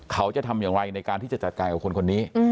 เขาจะทำอย่างไรในการที่จะจัดการกับคนคนนี้